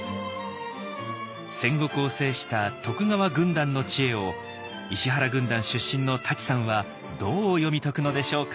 戦国を制した徳川軍団の知恵を石原軍団出身の舘さんはどう読み解くのでしょうか。